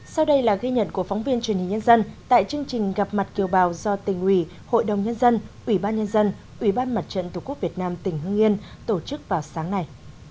sau đây là ghi nhận của phóng viên truyền hình nhân dân tại chương trình gặp mặt kiều bào do tỉnh ủy hội đồng nhân dân ủy ban nhân dân ủy ban mặt trận tổ quốc việt nam tỉnh hưng yên tổ chức vào sáng nay